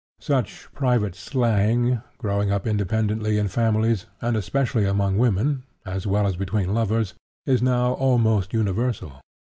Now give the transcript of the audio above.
Such private slang, growing up independently in families, and especially among women, as well as between lovers, is now almost universal.